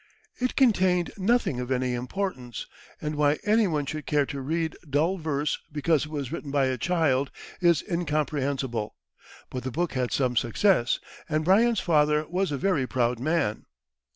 It contained nothing of any importance, and why anyone should care to read dull verse because it was written by a child is incomprehensible, but the book had some success, and Bryant's father was a very proud man.